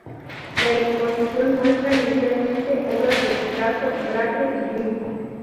La exposición muestra inicialmente obras de Picasso, Braque y Gris.